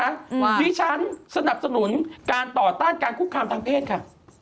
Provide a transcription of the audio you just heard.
ดิฉันสนับสนุนการต่อต้านการคุกคามทางเพศค่ะ